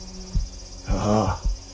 ああ。